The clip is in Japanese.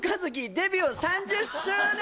デビュー３０周年